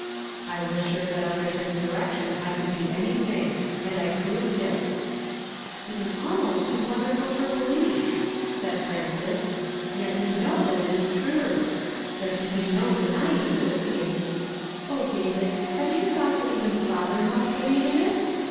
I was sure that under his direc tion I could do anything ; and I proved it." " It is almost too wonderful for belief !" said Frances; "yet we know that it is true. There can be no denying this case. O David, have you tliought that even father must believe in it?